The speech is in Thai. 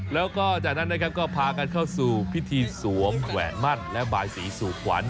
แล้วก็จากนั้นนะครับก็พากันเข้าสู่พิธีสวมแขวนมั่นและบายสีสู่ขวัญ